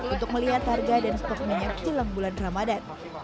untuk melihat harga dan stok minyak jelang bulan ramadan